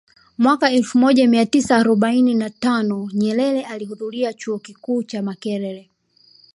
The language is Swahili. Mwaka elfu moja mia tisa arobaini na tano Nyerere alihudhuria Chuo Kikuu cha Makerere